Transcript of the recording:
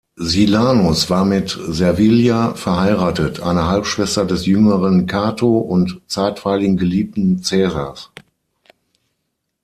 Silanus war mit Servilia verheiratet, einer Halbschwester des jüngeren Cato und zeitweiligen Geliebten Caesars.